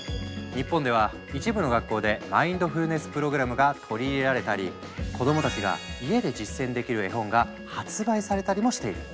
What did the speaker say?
日本では一部の学校でマインドフルネス・プログラムが取り入れられたり子どもたちが家で実践できる絵本が発売されたりもしている。